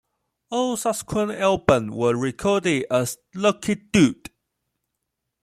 All subsequent albums were recorded as "Lucky Dube".